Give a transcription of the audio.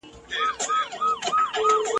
وطن چي ښځو لره زندان سي ..